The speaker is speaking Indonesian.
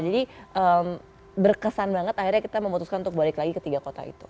jadi berkesan banget akhirnya kita memutuskan untuk balik lagi ke tiga kota itu